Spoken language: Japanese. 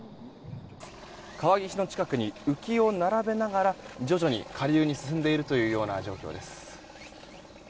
川岸の近くに浮きを並べながら徐々に下流に進んでいるというような状況です。